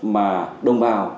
mà đồng bào